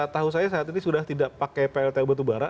tahu saya saat ini sudah tidak pakai pltu batubara